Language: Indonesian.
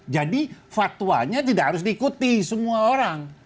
jadi fatwanya tidak harus diikuti semua orang